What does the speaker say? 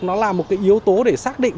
nó là một cái yếu tố để xác định